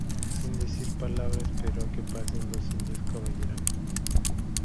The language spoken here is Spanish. sin decir palabra esperó a que pasasen dos indios caballerangos